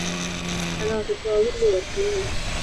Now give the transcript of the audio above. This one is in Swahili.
Ana watoto wawili wa kiume.